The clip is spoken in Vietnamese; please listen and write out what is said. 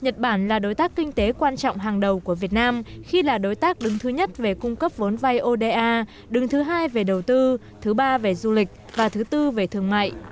nhật bản là đối tác kinh tế quan trọng hàng đầu của việt nam khi là đối tác đứng thứ nhất về cung cấp vốn vay oda đứng thứ hai về đầu tư thứ ba về du lịch và thứ tư về thương mại